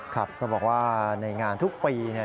ครับเขาบอกว่าในงานทุกปี